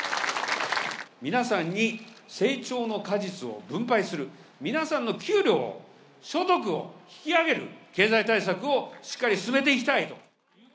皆さんに成長の果実を分配する、皆さんの給料を、所得を引き上げる経済対策をしっかり進めていきたいと。